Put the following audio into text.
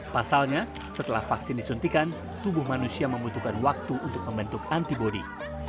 pasalnya setelah vaksin disuntikan tubuh manusia membutuhkan waktu untuk membentuk antibody